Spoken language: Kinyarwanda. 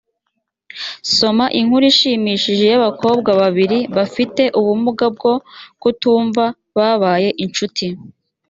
soma inkuru ishishikaje y’abakobwa babiri bafite ubumuga bwo kutumva babaye incuti